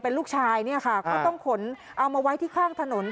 เป็นลูกชายเนี่ยค่ะก็ต้องขนเอามาไว้ที่ข้างถนน